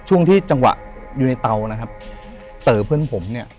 ช่วงที่จังหวะอยู่ในเตานะครับเต๋อเพื่อนผมเนี่ย